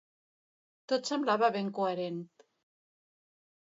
Tot semblava ben coherent.